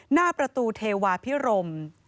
หน้าประตูเทวาพิรม